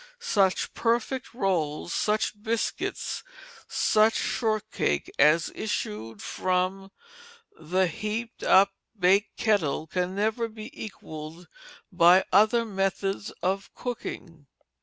Such perfect rolls, such biscuit, such shortcake, as issued from the heaped up bake kettle can never be equalled by other methods of cooking.